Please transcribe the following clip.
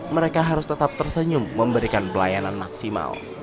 mereka harus tetap tersenyum memberikan pelayanan maksimal